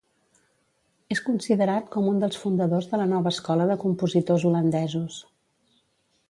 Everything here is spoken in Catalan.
És considerat com un dels fundadors de la nova escola de compositors holandesos.